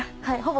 はい。